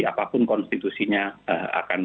apapun konstitusinya akan